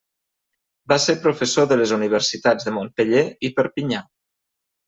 Va ser professor de les universitats de Montpeller i Perpinyà.